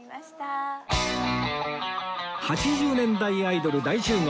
８０年代アイドル大集合！